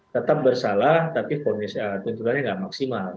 tetap bersalah tapi tuntutannya nggak maksimal